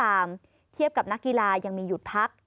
จะมีแรงเหลืออยู่น้อยนิดก็ตามเทียบกับนักกีฬายังมีหยุดพัก